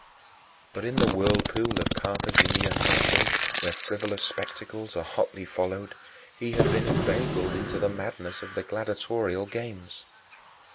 But in the whirlpool of Carthaginian fashion where frivolous spectacles are hotly followed he had been inveigled into the madness of the gladiatorial games.